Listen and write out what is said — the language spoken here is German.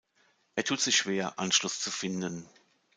Er tut sich schwer, Anschluss zu finden.